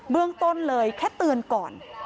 เรื่องต้นเลยแค่เตือนก่อน